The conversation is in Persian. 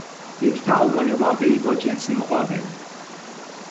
یک تعامل واقعی با جنس مقابل.